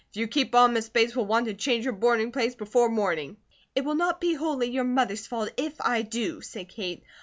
"If you keep on Miss Bates will want to change her boarding place before morning." "It will not be wholly your mother's fault, if I do," said Kate.